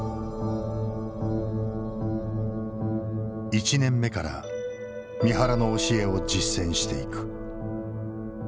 １年目から三原の教えを実践していく。